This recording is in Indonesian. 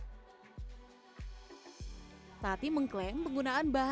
kue kering yang diperoleh oleh sudartati adalah kue kering yang berkualitas kaya